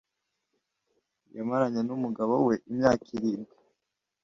yamaranye n’umugabo we imyaka irindwi